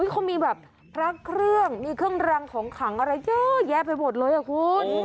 เขามีแบบพระเครื่องมีเครื่องรังของขังอะไรเยอะแยะไปหมดเลยอ่ะคุณ